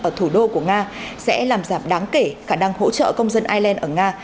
ở thủ đô của nga sẽ làm giảm đáng kể khả năng hỗ trợ công dân ireland ở nga